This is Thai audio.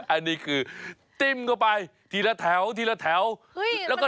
อันนี้คือติ้มเข้าไปทีละแถวแล้วก็ดึงออกมา